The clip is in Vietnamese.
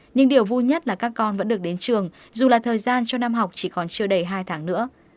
nhưng điều vui nhất là các con vẫn được đến trường dù là thời gian cho năm học chỉ còn chưa đầy hai tháng nữa